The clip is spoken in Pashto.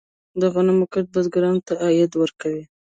د غنمو کښت بزګرانو ته عاید ورکوي.